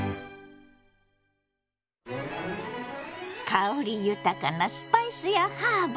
香り豊かなスパイスやハーブ。